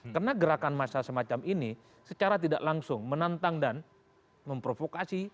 karena gerakan masyarakat semacam ini secara tidak langsung menantang dan memprovokasi